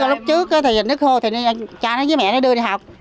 lúc trước thì nước khô thì cha với mẹ nó đưa đi học